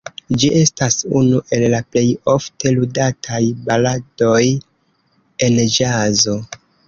Ĝi estas unu el la plej ofte ludataj baladoj en ĵazo.